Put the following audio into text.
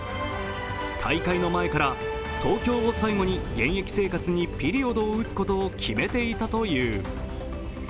大会の前から東京を最後に現役生活にピリオドを打つことを決めていたという。